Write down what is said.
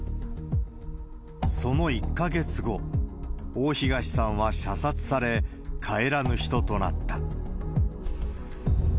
その１か月後、大東さんは射殺され、帰らぬ人となった。